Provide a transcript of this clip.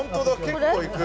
結構いく。